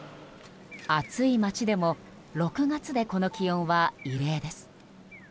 暑い町でも６月でこの気温は異例です。